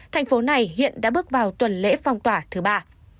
thành phố này hiện đã bước vào tuần lễ phong tỏa thứ ba